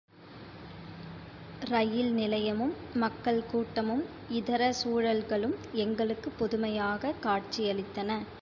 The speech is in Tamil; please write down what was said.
இரயில் நிலையமும், மக்கள் கூட்டமும், இதர சூழல்களும் எங்களுக்கு புதுமையாகக் காட்சியளித்தன.